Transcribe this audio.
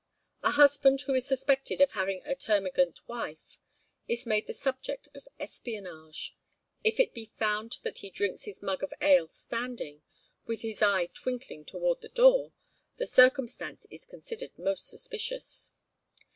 A husband who is suspected of having a termagant wife, is made the subject of espionage. If it be found that he drinks his mug of ale standing, with his eye twinkling toward the door, the circumstance is considered most suspicious.